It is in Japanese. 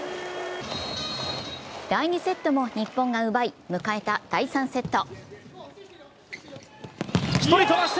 第２セットも日本が奪い、迎えた第３セット。